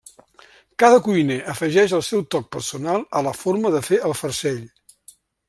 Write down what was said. Cada cuiner afegeix el seu toc personal a la forma de fer el farcell.